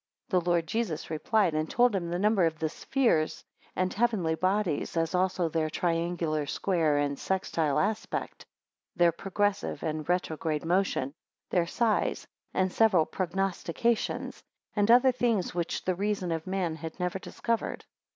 10 The Lord Jesus replied, and told him the number of the spheres and heavenly bodies, as also their triangular, square, and sextile aspect; their progressive and retrograde motion; their size and several prognostications; and other things which the reason of man had never discovered.